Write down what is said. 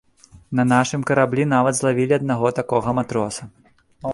На нашым караблі нават злавілі аднаго такога матроса.